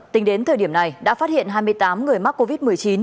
tính đến thời điểm này đã phát hiện hai mươi tám người mắc covid một mươi chín